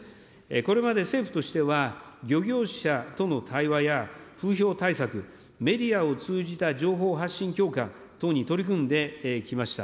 これまで政府としては、漁業者との対話や、風評対策、メディアを通じた情報発信強化等に取り組んでまいりました。